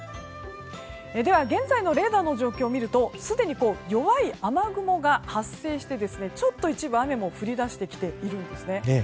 では現在のレーダーの状況を見るとすでに弱い雨雲が発生して一部、雨も降りだしてきているんです。